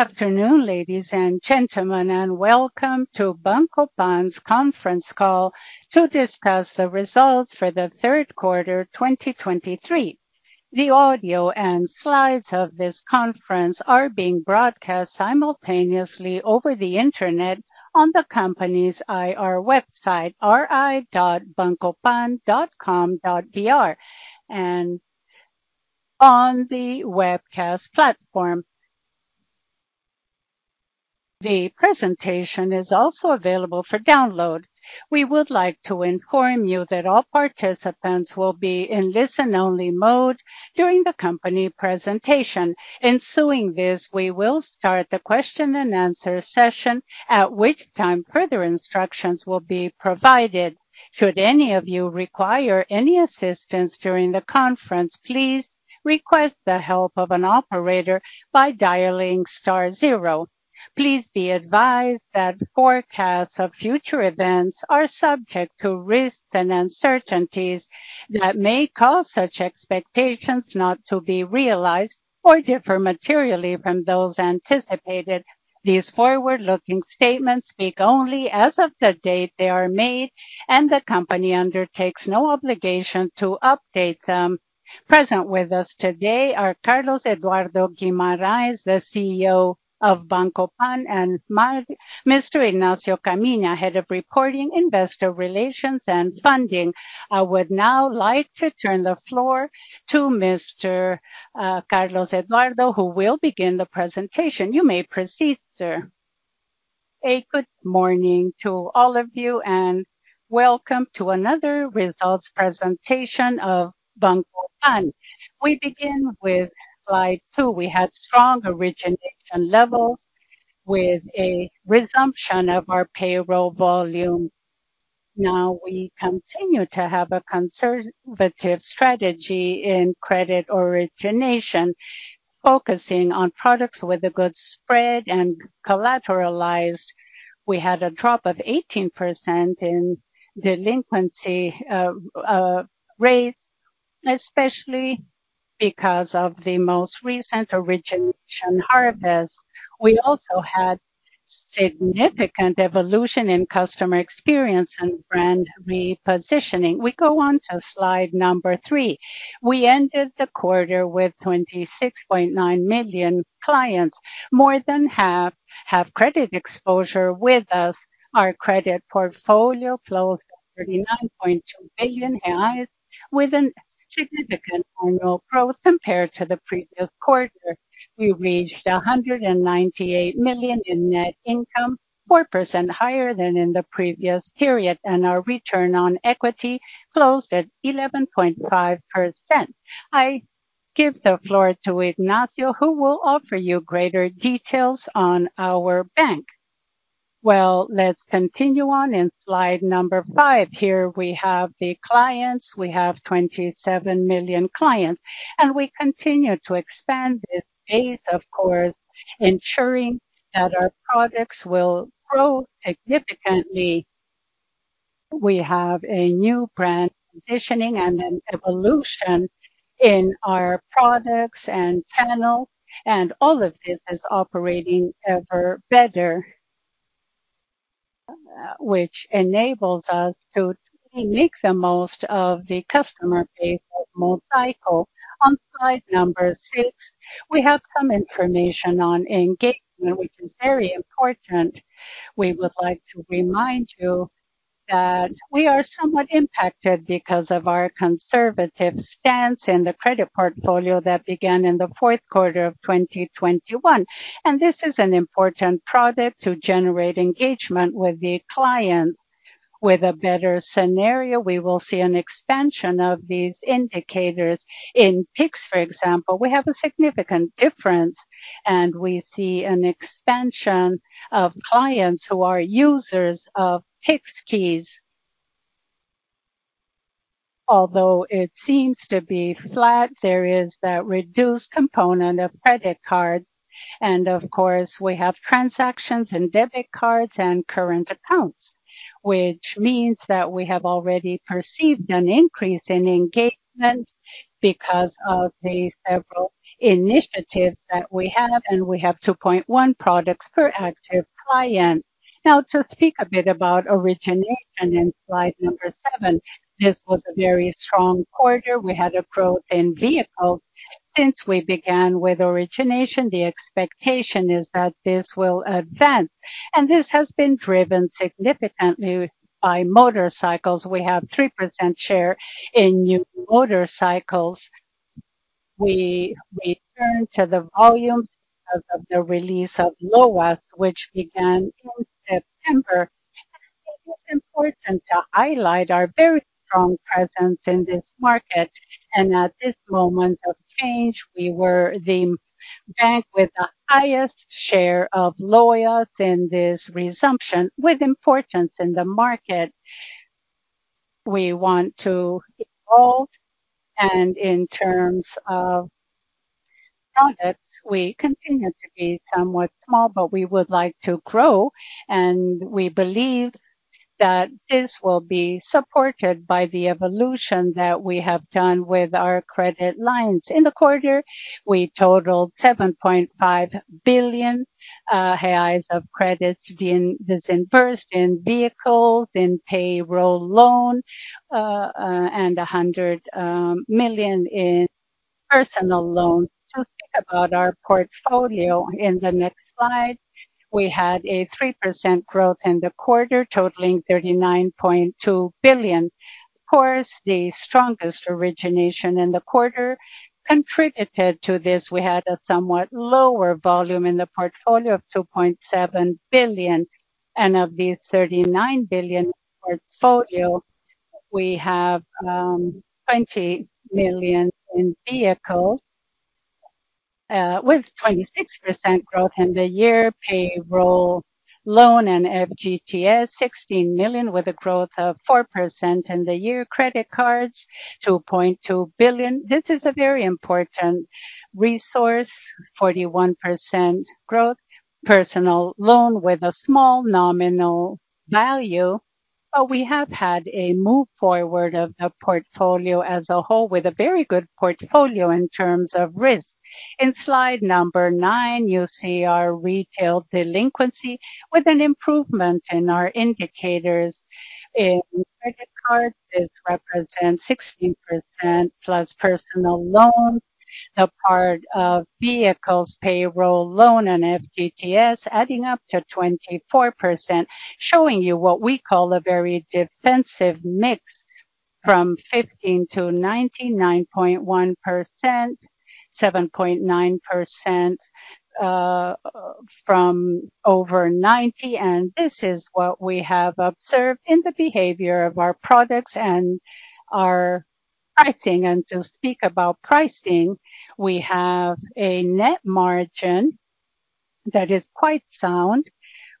Good afternoon, ladies and gentlemen, and welcome to Banco PAN's conference call to discuss the results for the third quarter, 2023. The audio and slides of this conference are being broadcast simultaneously over the Internet on the company's IR website, ri.bancopan.com.br, and on the webcast platform. The presentation is also available for download. We would like to inform you that all participants will be in listen-only mode during the company presentation. Following this, we will start the question and answer session, at which time further instructions will be provided. Should any of you require any assistance during the conference, please request the help of an operator by dialing star zero. Please be advised that forecasts of future events are subject to risks and uncertainties that may cause such expectations not to be realized or differ materially from those anticipated. These forward-looking statements speak only as of the date they are made, and the company undertakes no obligation to update them. Present with us today are Carlos Eduardo Guimarães, the Chief Executive Officer of Banco PAN, and Mr. Inácio Caminha, Head of Reporting, Investor Relations, and Funding. I would now like to turn the floor to Mr. Carlos Eduardo, who will begin the presentation. You may proceed, sir. A good morning to all of you, and welcome to another results presentation of Banco PAN. We begin with slide two. We had strong origination levels with a resumption of our payroll volume. Now, we continue to have a conservative strategy in credit origination, focusing on products with a good spread and collateralized. We had a drop of 18% in delinquency rate, especially because of the most recent origination harvest. We also had significant evolution in customer experience and brand repositioning. We go on to slide number three. We ended the quarter with 26.9 million clients. More than half have credit exposure with us. Our credit portfolio closed at 39.2 billion reais, with a significant annual growth compared to the previous quarter. We reached 198 million in net income, 4% higher than in the previous period, and our return on equity closed at 11.5%. I give the floor to Inácio, who will offer you greater details on our bank. Well, let's continue on in slide number five. Here we have the clients. We have 27 million clients, and we continue to expand this base, of course, ensuring that our products will grow significantly. We have a new brand positioning and an evolution in our products and channels, and all of this is operating ever better, which enables us to make the most of the customer base of motorcycle. On slide number six, we have some information on engagement, which is very important. We would like to remind you that we are somewhat impacted because of our conservative stance in the credit portfolio that began in the fourth quarter of 2021, and this is an important product to generate engagement with the client. With a better scenario, we will see an expansion of these indicators. In Pix, for example, we have a significant difference, and we see an expansion of clients who are users of Pix keys. Although it seems to be flat, there is that reduced component of credit cards, and of course, we have transactions and debit cards and current accounts, which means that we have already perceived an increase in engagement because of the several initiatives that we have, and we have 2.1 products per active client. Now, to speak a bit about origination in slide seven, this was a very strong quarter. We had a growth in vehicles. Since we began with origination, the expectation is that this will advance, and this has been driven significantly by motorcycles. We have 3% share in new motorcycles. We turn to the volume of the release of LOAS, which began in September. It is important to highlight our very strong presence in this market, and at this moment of change, we were the bank with the highest share of LOAS in this resumption, with importance in the market. We want to evolve, and in terms of products, we continue to be somewhat small, but we would like to grow, and we believe that this will be supported by the evolution that we have done with our credit lines. In the quarter, we totaled 7.5 billion reais of credits dispersed in vehicles, in payroll loan, and a hundred million in personal loans. To think about our portfolio in the next slide, we had a 3% growth in the quarter, totaling 39.2 billion. Of course, the strongest origination in the quarter contributed to this. We had a somewhat lower volume in the portfolio of 2.7 billion, and of the 39 billion portfolio, we have twenty million in vehicle with 26% growth in the year, payroll loan and FGTS, 16 million with a growth of 4% in the year. Credit cards, 2.2 billion. This is a very important resource, 41% growth. Personal loan with a small nominal value, but we have had a move forward of the portfolio as a whole, with a very good portfolio in terms of risk. In slide number nine, you see our retail delinquency with an improvement in our indicators. In credit cards, this represents 16% plus personal loans. The part of vehicles, payroll loan and FGTS, adding up to 24%, showing you what we call a very defensive mix from 15 to 99.1%, 7.9%, from over 90, and this is what we have observed in the behavior of our products and our pricing. To speak about pricing, we have a net margin that is quite sound.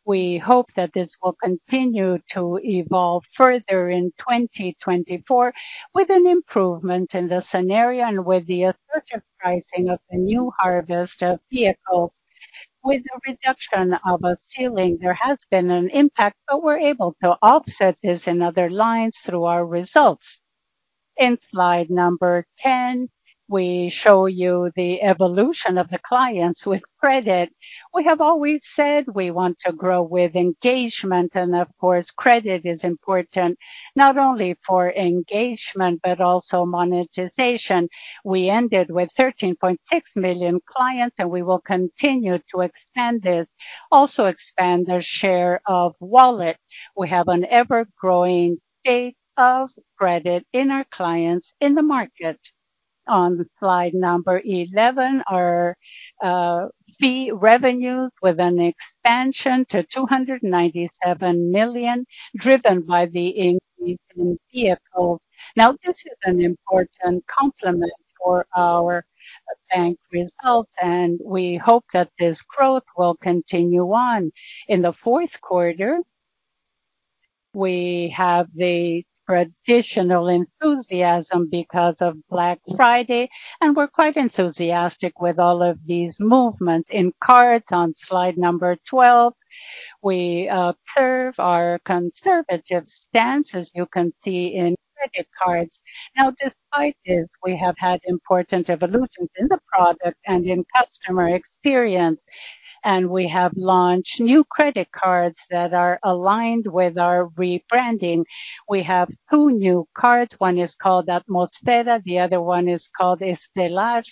We hope that this will continue to evolve further in 2024, with an improvement in the scenario and with the assertive pricing of the new harvest of vehicles. With the reduction of a ceiling, there has been an impact, but we're able to offset this in other lines through our results. In slide number 10, we show you the evolution of the clients with credit. We have always said we want to grow with engagement, and of course, credit is important, not only for engagement but also monetization. We ended with 13.6 million clients, and we will continue to expand this, also expand their share of wallet. We have an ever-growing base of credit in our clients in the market. On slide number 11, our fee revenues with an expansion to 297 million, driven by the increase in vehicles. Now, this is an important complement for our bank results, and we hope that this growth will continue on. In the fourth quarter, we have the traditional enthusiasm because of Black Friday, and we're quite enthusiastic with all of these movements. In cards, on slide number 12, we observe our conservative stance, as you can see in credit cards. Now, despite this, we have had important evolutions in the product and in customer experience, and we have launched new credit cards that are aligned with our rebranding. We have two new cards. One is called Atmosfera, the other one is called Estelar.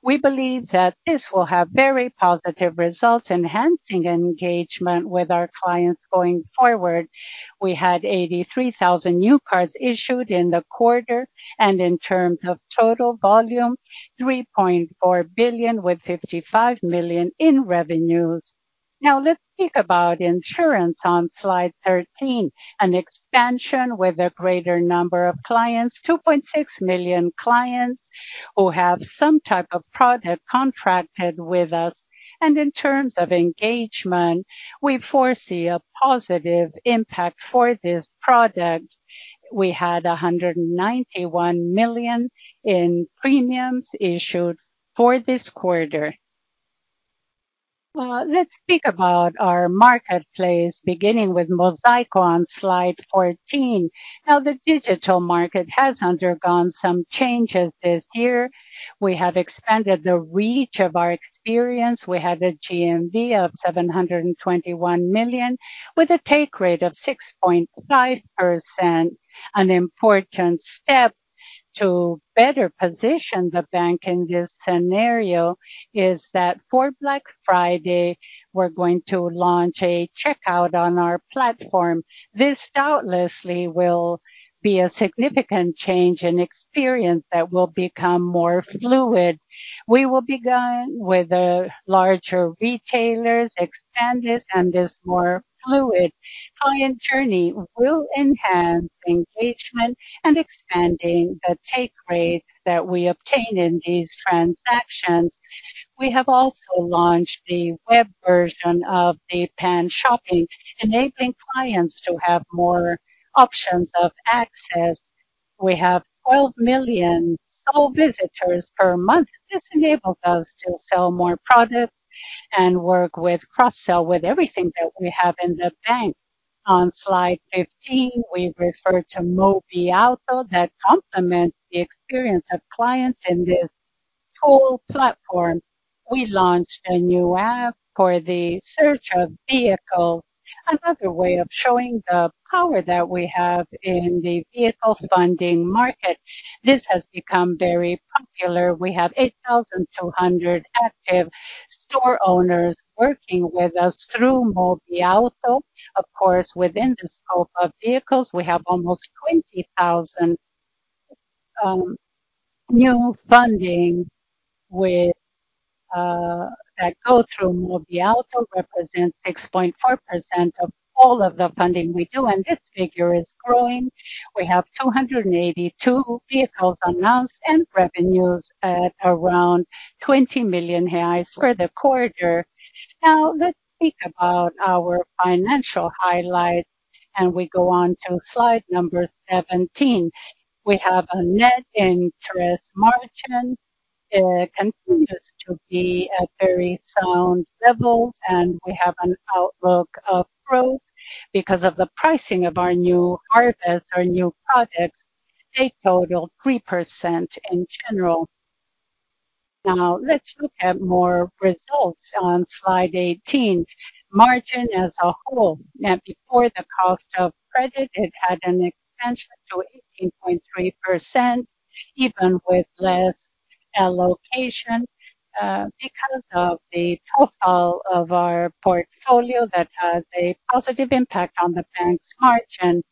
We believe that this will have very positive results, enhancing engagement with our clients going forward. We had 83,000 new cards issued in the quarter, and in terms of total volume, 3.4 billion with 55 million in revenues. Now, let's think about insurance on slide 13, an expansion with a greater number of clients, 2.6 million clients who have some type of product contracted with us. And in terms of engagement, we foresee a positive impact for this product. We had 191 million in premiums issued for this quarter. Let's speak about our marketplace, beginning with Mobiauto, slide 14. Now, the digital market has undergone some changes this year. We have expanded the reach of our experience. We had a GMV of 721 million, with a take rate of 6.5%. An important step to better position the bank in this scenario is that for Black Friday, we're going to launch a checkout on our platform. This doubtlessly will be a significant change and experience that will become more fluid. We will begin with the larger retailers, expand this, and this more fluid client journey will enhance engagement and expanding the take rate that we obtain in these transactions. We have also launched the web version of the Pan Shopping, enabling clients to have more options of access. We have 12 million sole visitors per month. This enables us to sell more products and work with cross-sell with everything that we have in the bank. On slide 15, we refer to Mobiauto that complements the experience of clients in this whole platform. We launched a new app for the search of vehicle, another way of showing the power that we have in the vehicle funding market. This has become very popular. We have 8,200 active store owners working with us through Mobiauto. Of course, within the scope of vehicles, we have almost 20,000 new funding with that go through Mobiauto, represents 6.4% of all of the funding we do, and this figure is growing. We have 282 vehicles announced and revenues at around 20 million reais for the quarter. Now, let's speak about our financial highlights, and we go on to slide number 17. We have a net interest margin, continues to be at very sound levels, and we have an outlook of growth because of the pricing of our new harvests, our new products, a total 3% in general. Now, let's look at more results on slide 18. Margin as a whole. Now, before the cost of credit, it had an expansion to 18.3%, even with less allocation, because of the total of our portfolio that has a positive impact on the bank's margin.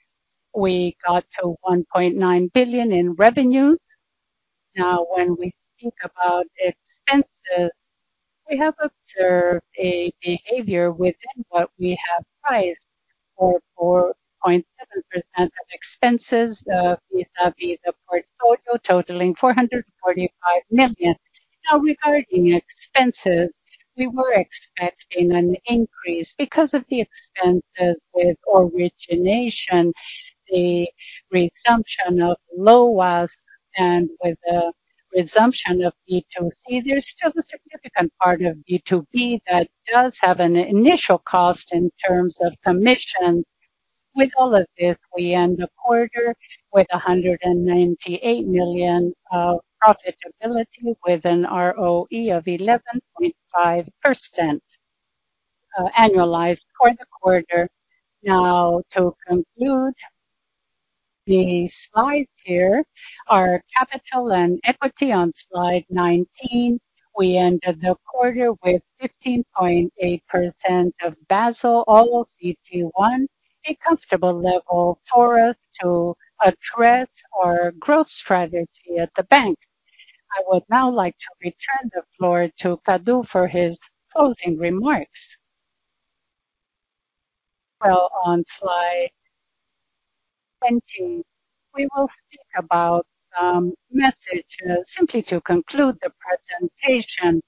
We got to 1.9 billion in revenues. Now, when we think about expenses, we have observed a behavior within what we have priced for 4.7% of expenses, vis-a-vis the portfolio, totaling 445 million. Now, regarding expenses, we were expecting an increase because of the expenses with origination, the resumption of LOAS, and with the resumption of B2C. There's still a significant part of B2B that does have an initial cost in terms of commission. With all of this, we end the quarter with 198 million of profitability, with an ROE of 11.5%, annualized for the quarter. Now, to conclude the slides here, our capital and equity on slide 19, we ended the quarter with 15.8% of Basel, all of CET1, a comfortable level for us to address our growth strategy at the bank. I would now like to return the floor to Cadu for his closing remarks. Well, on slide 20, we will speak about message. Simply to conclude the presentation,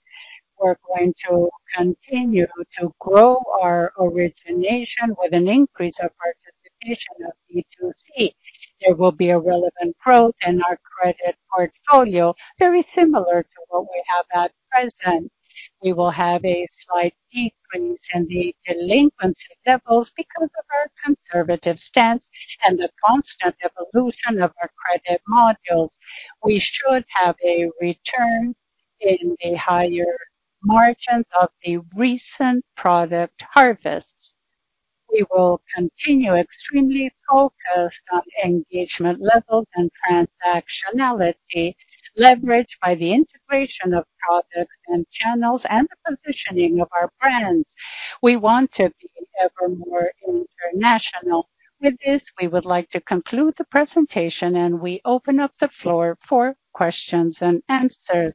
we're going to continue to grow our origination with an increase of participation of B2C. There will be a relevant growth in our credit portfolio, very similar to what we have at present. We will have a slight decrease in the delinquency levels because of our conservative stance and the constant evolution of our credit modules. We should have a return in the higher margins of the recent product harvests. We will continue extremely focused on engagement levels and transactionality, leveraged by the integration of products and channels and the positioning of our brands. We want to be ever more international. With this, we would like to conclude the presentation, and we open up the floor for questions and answers.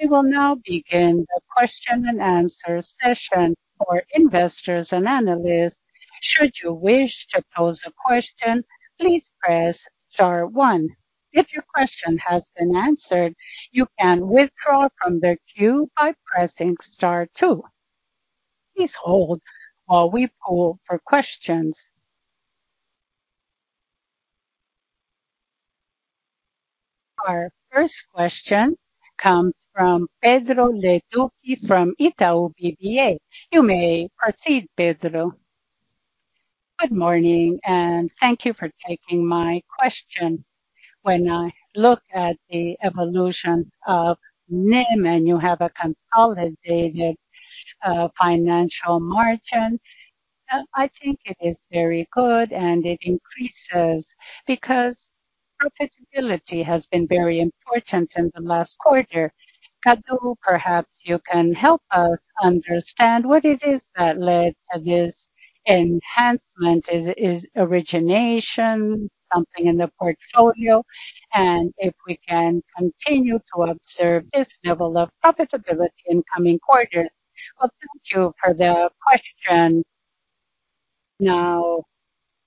We will now begin the question and answer session for investors and analysts. Should you wish to pose a question, please press star one. If your question has been answered, you can withdraw from the queue by pressing star two. Please hold while we poll for questions. Our first question comes from Pedro Leduc from Itaú BBA. You may proceed, Pedro. Good morning, and thank you for taking my question. When I look at the evolution of NIM, and you have a consolidated financial margin, I think it is very good, and it increases because profitability has been very important in the last quarter. Cadu, perhaps you can help us understand what it is that led to this enhancement. Is, is origination something in the portfolio, and if we can continue to observe this level of profitability in coming quarters? Well, thank you for the question. Now,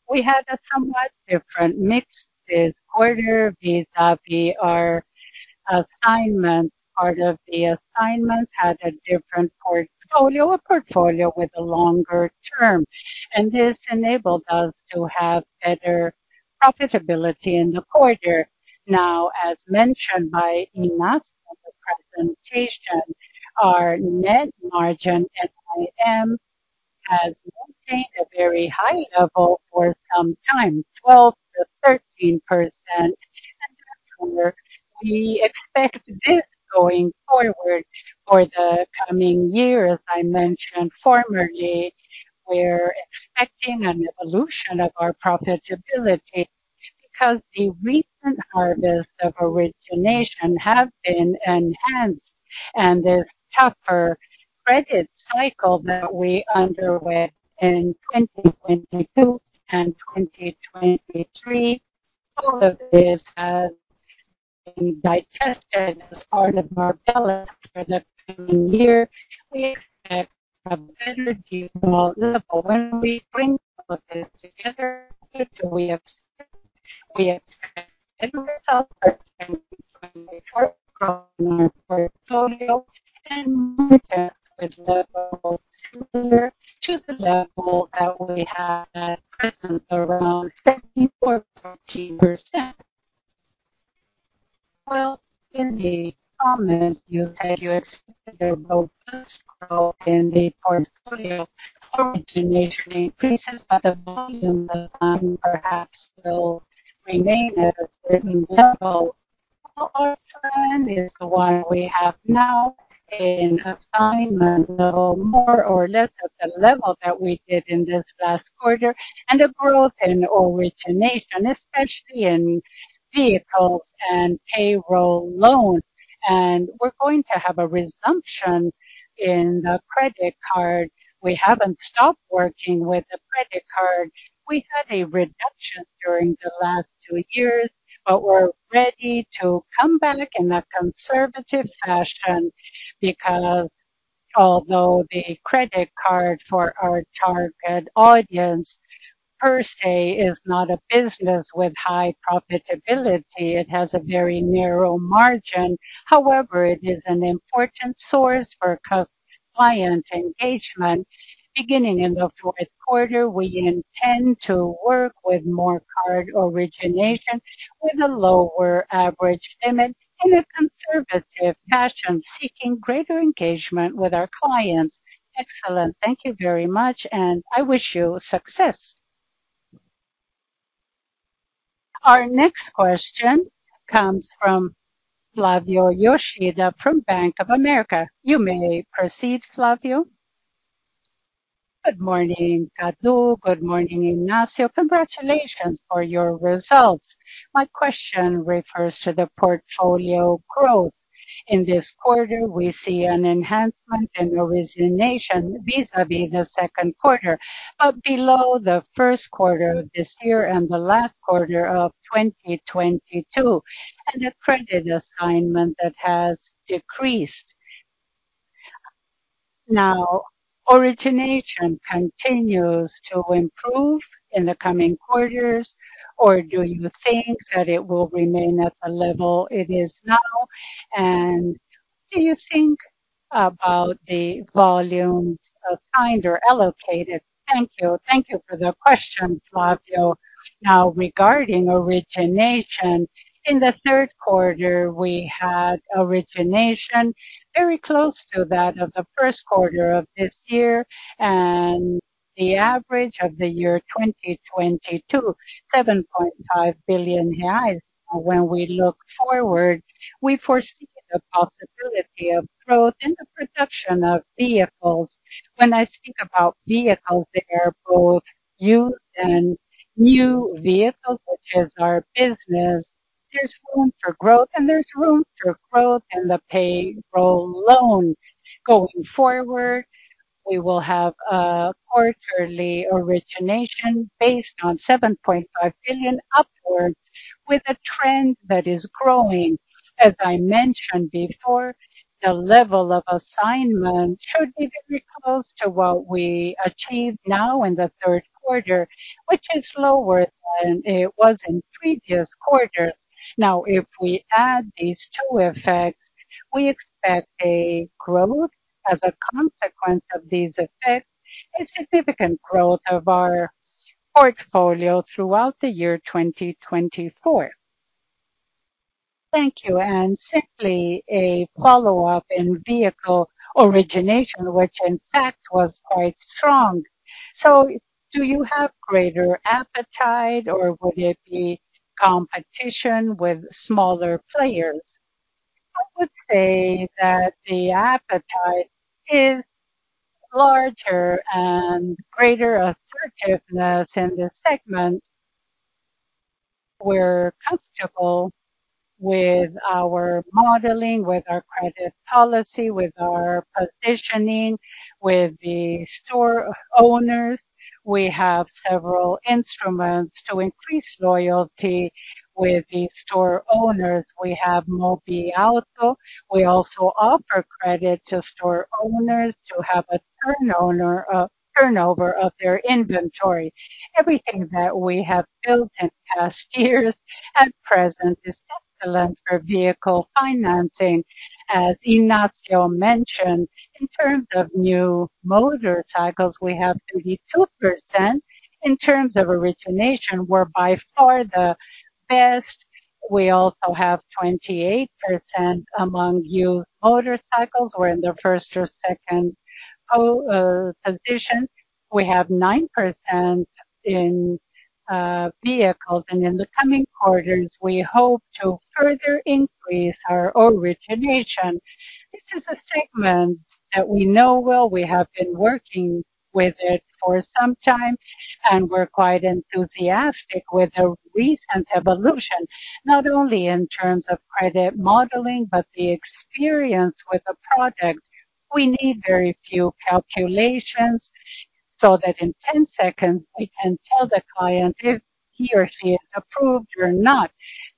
we had a somewhat different mix this quarter vis-a-vis our-assignments, part of the assignments had a different portfolio, a portfolio with a longer term, and this enabled us to have better profitability in the quarter. Now, as mentioned by Inácio in the presentation, our net margin, NIM, has maintained a very high level for some time, 12%-13%. And we expect this going forward for the coming year. As I mentioned formerly, we're expecting an evolution of our profitability because the recent harvests of origination have been enhanced and the tougher credit cycle that we underwent in 2022 and 2023, all of this has been digested as part of our development. For the coming year, we expect a better level. When we bring all of this together, what do we expect? We expect ourselves to work on our portfolio and levels similar to the level that we have at present, around 74%. Well, in the comments, you said you expected both growth in the portfolio origination increases, but the volume of time perhaps will remain at a certain level. Our plan is the one we have now in assignment, level more or less at the level that we did in this last quarter, and a growth in origination, especially in vehicles and payroll loans. And we're going to have a resumption in the credit card. We haven't stopped working with the credit card. We had a reduction during the last two years, but we're ready to come back in a conservative fashion because although the credit card for our target audience per se, is not a business with high profitability, it has a very narrow margin. However, it is an important source for client engagement. Beginning in the fourth quarter, we intend to work with more card origination, with a lower average limit in a conservative fashion, seeking greater engagement with our clients. Excellent. Thank you very much, and I wish you success. Our next question comes from Flavio Yoshida from Bank of America. You may proceed, Flavio. Good morning, Cadu. Good morning, Inácio. Congratulations for your results. My question refers to the portfolio growth. In this quarter, we see an enhancement in origination vis-a-vis the second quarter, but below the first quarter of this year and the last quarter of 2022, and the credit assignment that has decreased. Now, origination continues to improve in the coming quarters, or do you think that it will remain at the level it is now? And do you think about the volumes assigned or allocated? Thank you. Thank you for the question, Flavio. Now, regarding origination, in the third quarter, we had origination very close to that of the first quarter of this year and the average of the year 2022, 7.5 billion reais. When we look forward, we foresee the possibility of growth in the production of vehicles. When I think about vehicles, they are both used and new vehicles, which is our business. There's room for growth, and there's room for growth in the payroll loan. Going forward, we will have a quarterly origination based on 7.5 billion upwards, with a trend that is growing. As I mentioned before, the level of assignment should be very close to what we achieved now in the third quarter, which is lower than it was in previous quarters. Now, if we add these two effects, we expect a growth as a consequence of these effects, a significant growth of our portfolio throughout the year 2024. Thank you. And simply a follow-up in vehicle origination, which in fact was quite strong. So do you have greater appetite or would it be competition with smaller players? I would say that the appetite is larger and greater assertiveness in this segment. We're comfortable with our modeling, with our credit policy, with our positioning, with the store owners. We have several instruments to increase loyalty with the store owners. We have Mobiauto. We also offer credit to store owners to have a turnover of their inventory. Everything that we have built in past years at present is excellent for vehicle financing. As Inácio mentioned, in terms of new motorcycles, we have 32%. In terms of origination, we're by far the best. We also have 28% among used motorcycles. We're in the first or second position. We have 9% in vehicles, and in the coming quarters, we hope to further increase our origination. This is a segment that we know well. We have been working with it for some time, and we're quite enthusiastic with the recent evolution, not only in terms of credit modeling, but the experience with the product. We need very few calculations so that in 10 seconds, we can tell the client if he or she is approved or not.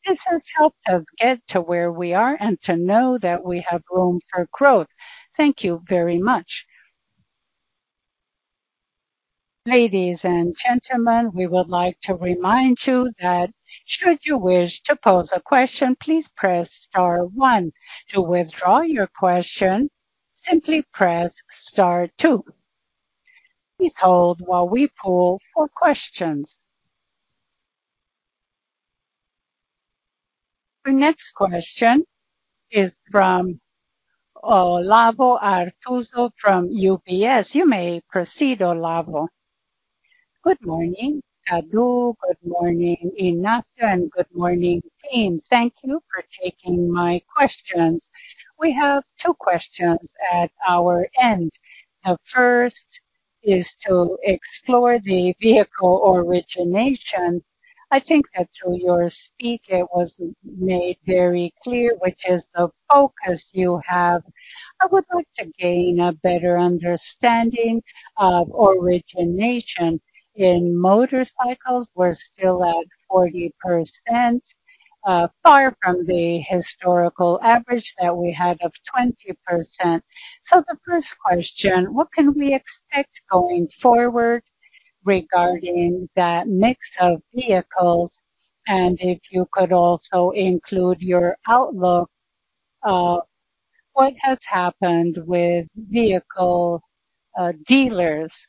This has helped us get to where we are and to know that we have room for growth. Thank you very much. Ladies and gentlemen, we would like to remind you that should you wish to pose a question, please press star one. To withdraw your question, simply press star two. Please hold while we poll for questions. The next question is from Olavo Arthuso from UBS. You may proceed, Olavo. Good morning, Cadu. Good morning, Inácio, and good morning, team. Thank you for taking my questions. We have two questions at our end. The first is to explore the vehicle origination. I think that through your speak, it was made very clear, which is the focus you have. I would like to gain a better understanding of origination. In motorcycles, we're still at 40%, far from the historical average that we had of 20%. So the first question, what can we expect going forward regarding that mix of vehicles? And if you could also include your outlook, what has happened with vehicle dealers?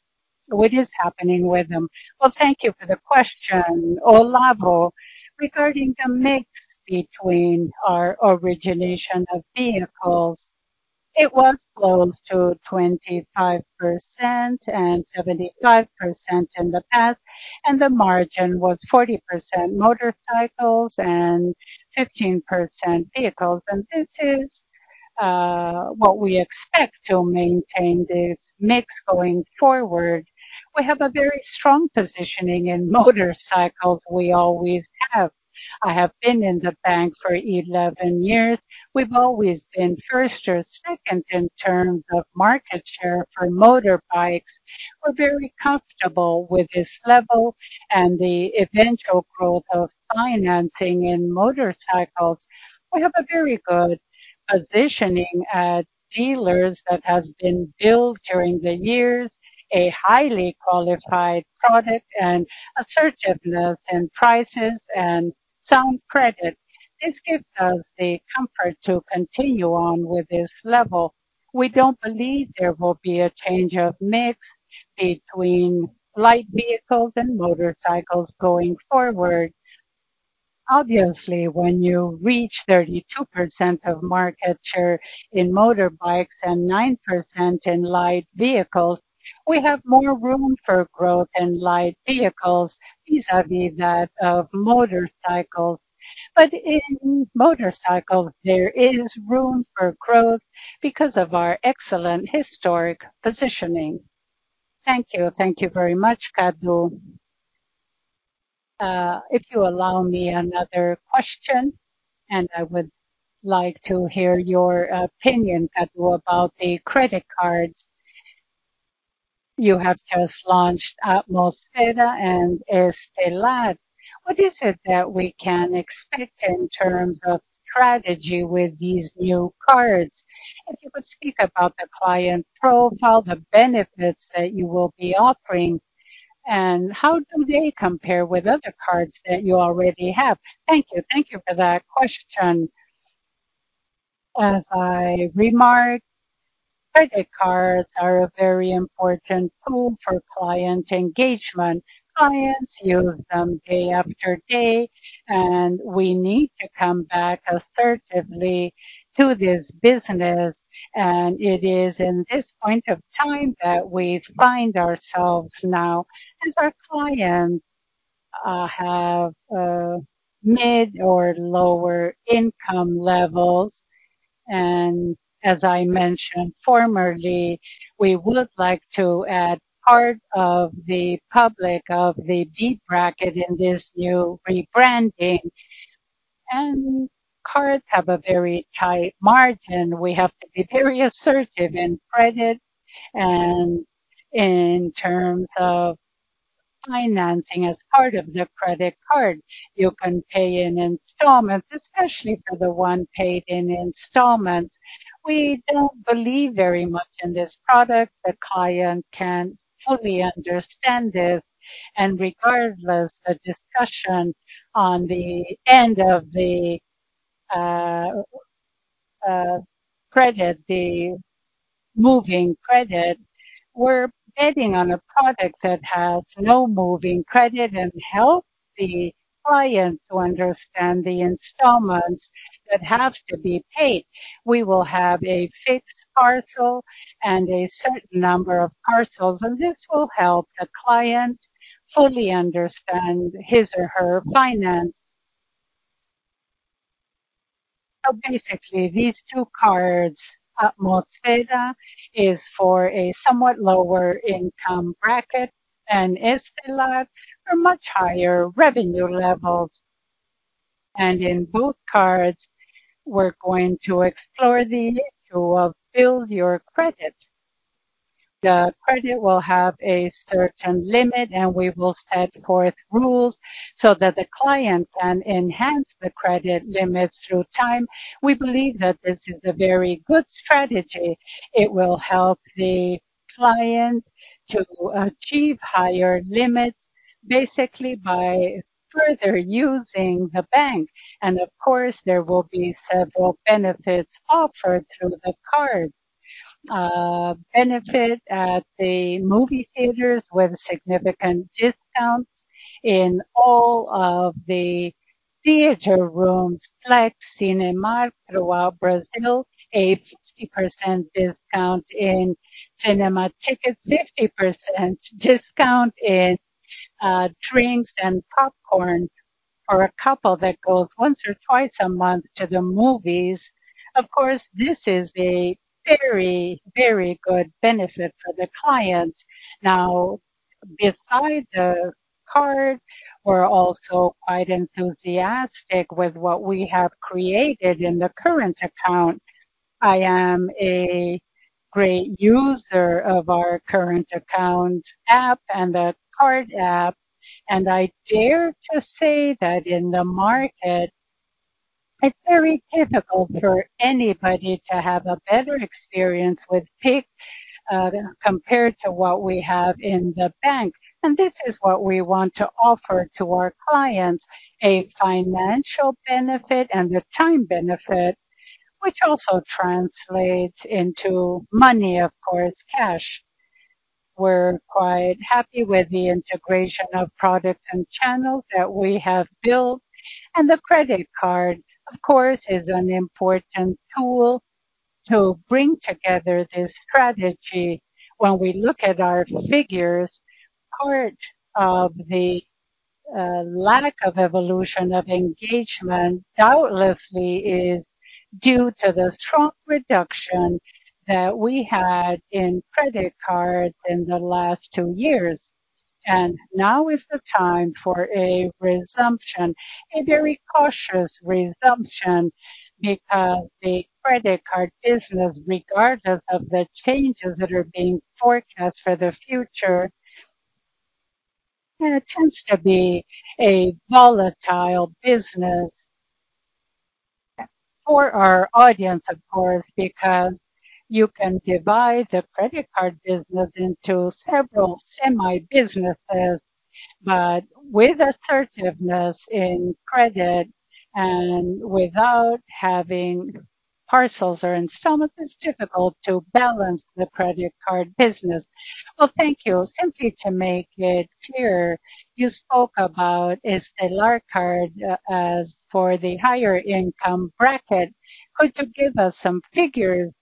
What is happening with them? Well, thank you for the question, Olavo. Regarding the mix between our origination of vehicles, it was close to 25% and 75% in the past, and the margin was 40% motorcycles and 15% vehicles. And this is what we expect to maintain this mix going forward. We have a very strong positioning in motorcycles. We always have. I have been in the bank for 11 years. We've always been first or second in terms of market share for motorbikes. We're very comfortable with this level and the eventual growth of financing in motorcycles. We have a very good positioning at dealers that has been built during the years, a highly qualified product and assertiveness in prices and sound credit. This gives us the comfort to continue on with this level. We don't believe there will be a change of mix between light vehicles and motorcycles going forward. Obviously, when you reach 32% of market share in motorbikes and 9% in light vehicles, we have more room for growth in light vehicles, vis-à-vis that of motorcycles. But in motorcycles, there is room for growth because of our excellent historic positioning. Thank you. Thank you very much, Cadu. If you allow me another question, and I would like to hear your opinion, Cadu, about the credit cards. You have just launched Atmosfera and Estelar. What is it that we can expect in terms of strategy with these new cards? If you could speak about the client profile, the benefits that you will be offering, and how do they compare with other cards that you already have? Thank you. Thank you for that question. As I remarked, credit cards are a very important tool for client engagement. Clients use them day after day, and we need to come back assertively to this business, and it is in this point of time that we find ourselves now, as our clients have mid or lower income levels. And as I mentioned formerly, we would like to add part of the public of the D bracket in this new rebranding. And cards have a very tight margin. We have to be very assertive in credit and in terms of financing as part of the credit card. You can pay in installments, especially for the one paid in installments. We don't believe very much in this product. The client can fully understand this, and regardless of discussion on the end of the credit, the moving credit. We're betting on a product that has no moving credit and help the client to understand the installments that have to be paid. We will have a fixed parcel and a certain number of parcels, and this will help the client fully understand his or her finance. So basically, these two cards, Atmosfera is for a somewhat lower income bracket and Estelar are much higher revenue levels. And in both cards, we're going to explore the issue of build your credit. The credit will have a certain limit, and we will set forth rules so that the client can enhance the credit limits through time. We believe that this is a very good strategy. It will help the client to achieve higher limits, basically by further using the bank. And of course, there will be several benefits offered through the card. Benefit at the movie theaters, with significant discounts in all of the theater rooms, like Cinemark throughout Brazil, a 50% discount in cinema tickets, 50% discount in drinks and popcorn for a couple that goes once or twice a month to the movies. Of course, this is a very, very good benefit for the clients. Now, besides the card, we're also quite enthusiastic with what we have created in the current account. I am a great user of our current account app and the card app, and I dare to say that in the market, it's very difficult for anybody to have a better experience with Pix compared to what we have in the bank. And this is what we want to offer to our clients, a financial benefit and a time benefit, which also translates into money, of course, cash. We're quite happy with the integration of products and channels that we have built, and the credit card, of course, is an important tool to bring together this strategy. When we look at our figures, part of the lack of evolution of engagement doubtlessly is due to the strong reduction that we had in credit cards in the last two years. Now is the time for a resumption, a very cautious resumption, because the credit card business, regardless of the changes that are being forecast for the future, tends to be a volatile business for our audience, of course, because you can divide the credit card business into several semi businesses, but with assertiveness in credit and without having parcels or installments, it's difficult to balance the credit card business. Well, thank you. Simply to make it clear, you spoke about Estelar card as for the higher income bracket. Could you give us some figures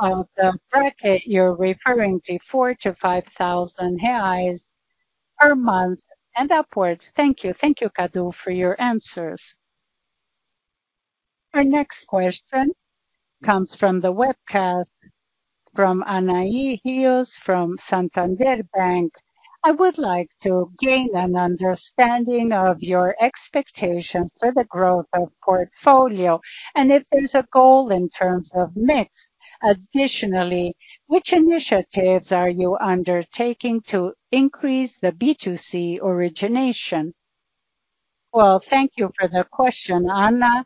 of the bracket you're referring to, 4,000-5,000 reais per month and upwards? Thank you. Thank you, Cadu, for your answers. Our next question comes from the webcast, from Anahy Rios, from Santander Bank. I would like to gain an understanding of your expectations for the growth of portfolio and if there's a goal in terms of mix. Additionally, which initiatives are you undertaking to increase the B2C origination? Well, thank you for the question, Anai.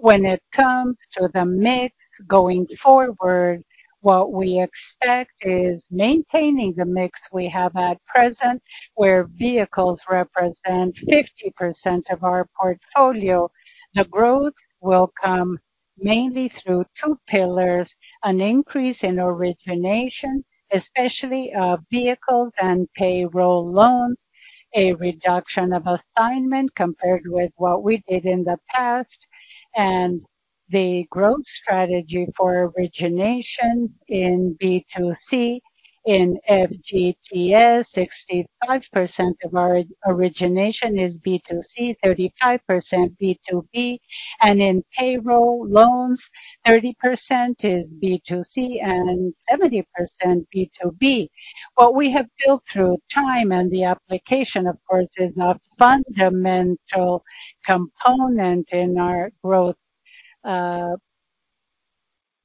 When it comes to the mix going forward, what we expect is maintaining the mix we have at present, where vehicles represent 50% of our portfolio. The growth will come mainly through two pillars, an increase in origination, especially, vehicles and payroll loans, a reduction of assignment compared with what we did in the past, and the growth strategy for origination in B2C. In FGTS, 65% of our origination is B2C, 35% B2B, and in payroll loans, 30% is B2C and 70% B2B. What we have built through time, and the application, of course, is a fundamental component in our growth,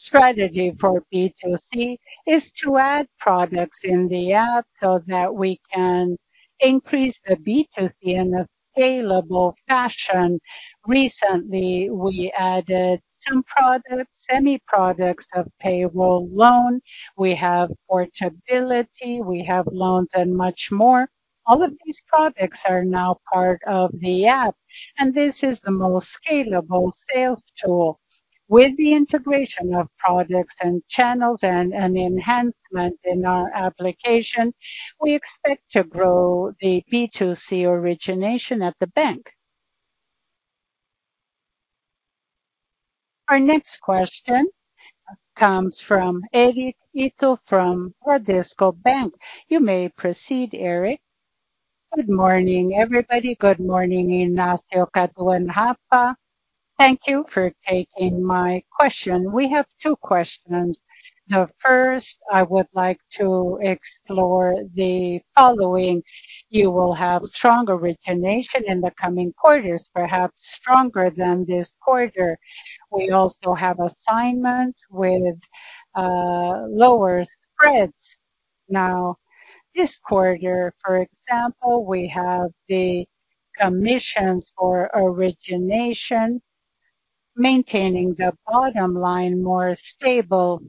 strategy for B2C, is to add products in the app so that we can increase the B2C in a scalable fashion. Recently, we added some products, semi products of payroll loan. We have portability, we have loans and much more. All of these products are now part of the app, and this is the most scalable sales tool. With the integration of products and channels and, and enhancement in our application, we expect to grow the B2C origination at the bank. Our next question comes from Eric Ito from Bradesco Bank. You may proceed, Eric. Good morning, everybody. Good morning, Inácio, Cadu and Hafa. Thank you for taking my question. We have two questions. The first, I would like to explore the following: You will have stronger origination in the coming quarters, perhaps stronger than this quarter. We also have assignment with lower spreads. Now, this quarter, for example, we have the commissions for origination, maintaining the bottom line more stable.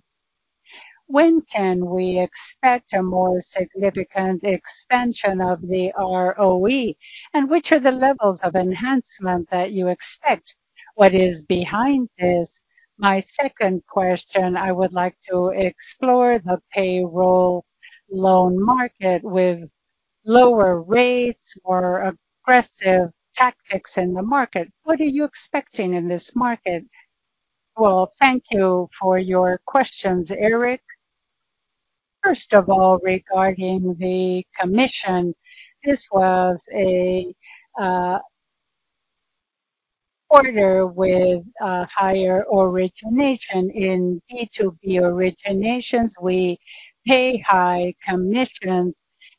When can we expect a more significant expansion of the ROE, and which are the levels of enhancement that you expect? What is behind this? My second question, I would like to explore the payroll loan market with lower rates or aggressive tactics in the market. What are you expecting in this market? Well, thank you for your questions, Eric. First of all, regarding the commission, this was a quarter with higher origination. In B2B originations, we pay high commissions,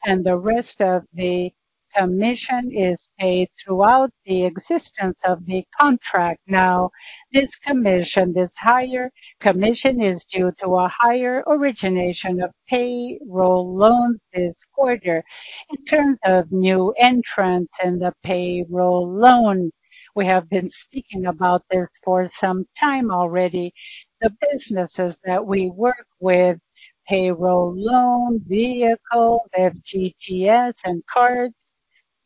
and the rest of the commission is paid throughout the existence of the contract. Now, this commission, this higher commission, is due to a higher origination of payroll loan this quarter. In terms of new entrants in the payroll loan, we have been speaking about this for some time already. The businesses that we work with, payroll loan, vehicle, FGTS, and cards,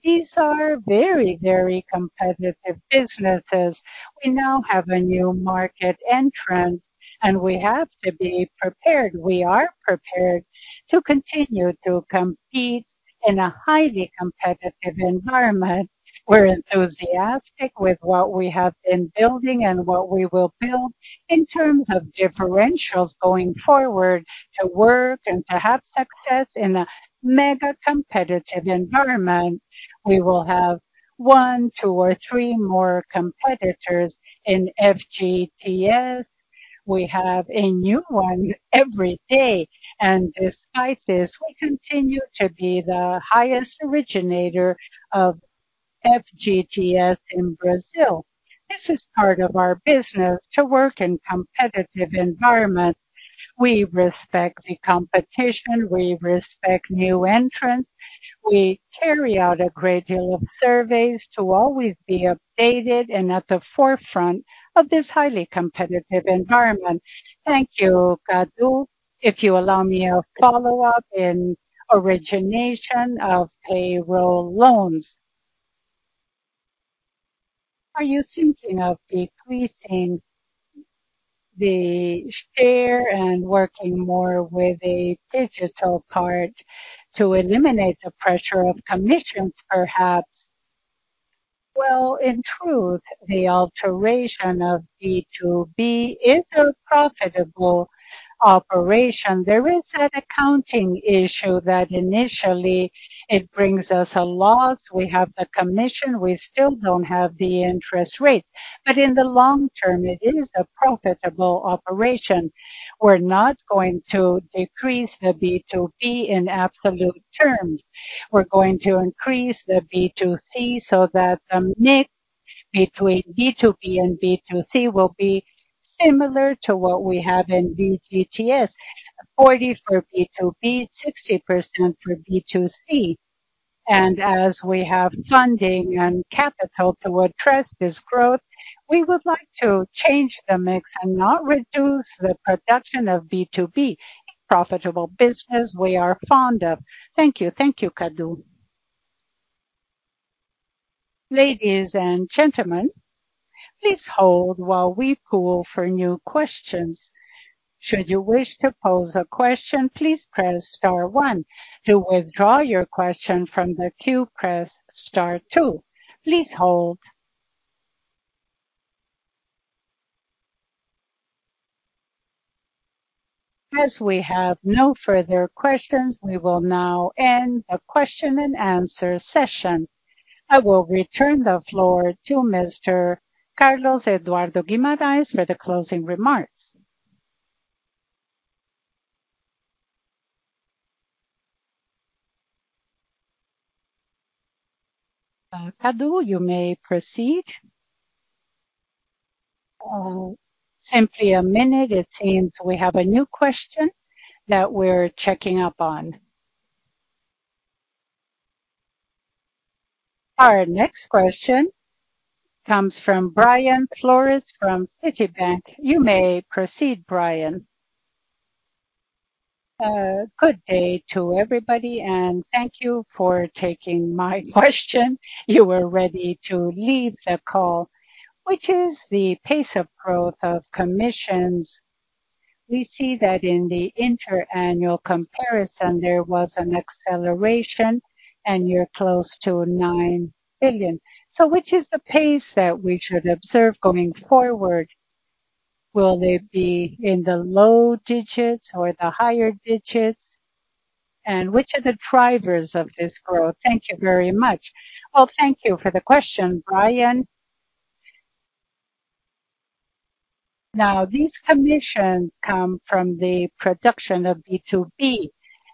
these are very, very competitive businesses. We now have a new market entrant, and we have to be prepared. We are prepared to continue to compete in a highly competitive environment. We're enthusiastic with what we have been building and what we will build in terms of differentials going forward to work and to have success in a mega competitive environment. We will have one, two, or three more competitors in FGTS. We have a new one every day, and despite this, we continue to be the highest originator of FGTS in Brazil. This is part of our business, to work in competitive environments. We respect the competition, we respect new entrants. We carry out a great deal of surveys to always be updated and at the forefront of this highly competitive environment. Thank you, Cadu. If you allow me a follow-up in origination of payroll loans. Are you thinking of decreasing the share and working more with a digital card to eliminate the pressure of commissions, perhaps? Well, in truth, the alteration of B2B is a profitable operation. There is an accounting issue that initially it brings us a loss. We have the commission, we still don't have the interest rate, but in the long term, it is a profitable operation. We're not going to decrease the B2B in absolute terms. We're going to increase the B2C so that the mix between B2B and B2C will be similar to what we have in FGTS: 40 for B2B, 60% for B2C. And as we have funding and capital to address this growth, we would like to change the mix and not reduce the production of B2B, profitable business we are fond of. Thank you. Thank you, Cadu. Ladies and gentlemen, please hold while we poll for new questions. Should you wish to pose a question, please press star one. To withdraw your question from the queue, press star two. Please hold. As we have no further questions, we will now end the question and answer session. I will return the floor to Mr. Carlos Eduardo Guimarães for the closing remarks. Cadu, you may proceed... Simply a minute. It seems we have a new question that we're checking up on. Our next question comes from Brian Flores from Citibank. You may proceed, Brian. Good day to everybody, and thank you for taking my question. You were ready to leave the call. Which is the pace of growth of commissions? We see that in the inter-annual comparison, there was an acceleration, and you're close to 9 billion. So which is the pace that we should observe going forward? Will it be in the low digits or the higher digits? And which are the drivers of this growth? Thank you very much. Well, thank you for the question, Brian. Now, these commissions come from the production of B2B,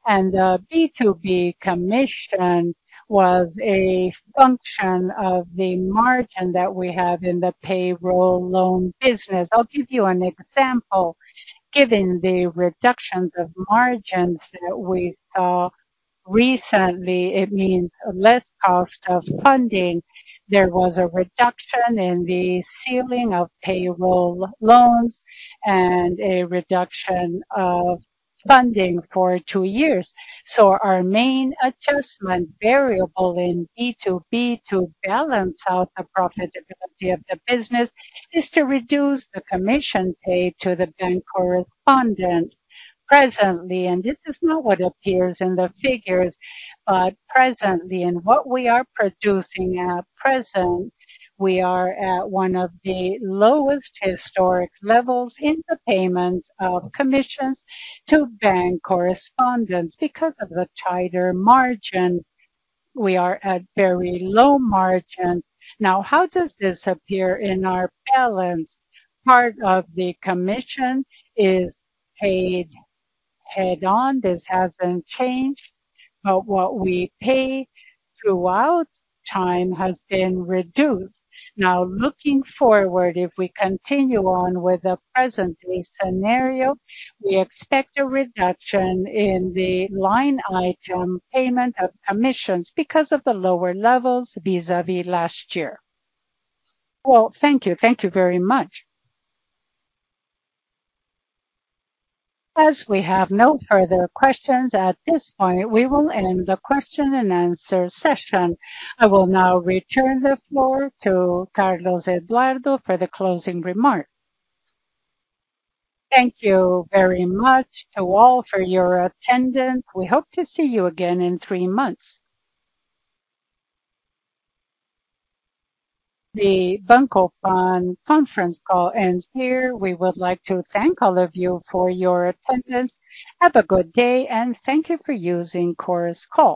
and the B2B commission was a function of the margin that we have in the payroll loan business. I'll give you an example. Given the reductions of margins that we saw recently, it means less cost of funding. There was a reduction in the ceiling of payroll loans and a reduction of funding for two years. So our main adjustment variable in B2B to balance out the profitability of the business is to reduce the commission paid to the bank correspondent. Presently, and this is not what appears in the figures, but presently, and what we are producing at present, we are at one of the lowest historic levels in the payment of commissions to bank correspondents because of the tighter margin. We are at very low margin. Now, how does this appear in our balance? Part of the commission is paid head-on. This hasn't changed, but what we pay throughout time has been reduced. Now, looking forward, if we continue on with the present scenario, we expect a reduction in the line item payment of commissions because of the lower levels vis-a-vis last year. Well, thank you. Thank you very much. As we have no further questions at this point, we will end the question and answer session. I will now return the floor to Carlos Eduardo for the closing remark. Thank you very much to all for your attendance. We hope to see you again in three months. The Banco PAN conference call ends here. We would like to thank all of you for your attendance. Have a good day, and thank you for using Chorus Call.